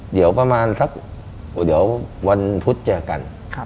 เดี๋ยวประมาณสักเดี๋ยววันพุธเจอกัน